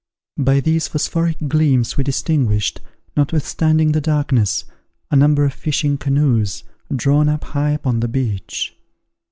By these phosphoric gleams we distinguished, notwithstanding the darkness, a number of fishing canoes, drawn up high upon the beach.